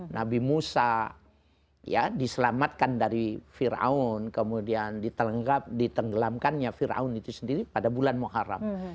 nabi musa ya diselamatkan dari firaun kemudian ditenggelamkannya firaun itu sendiri pada bulan muharram